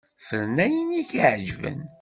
Fren ayen i k-iɛeǧben.